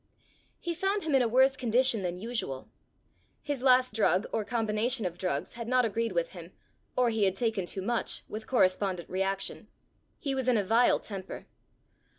He found him in a worse condition than usual. His last drug or combination of drugs had not agreed with him; or he had taken too much, with correspondent reaction: he was in a vile temper.